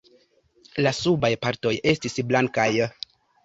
La subaj partoj estis blankaj.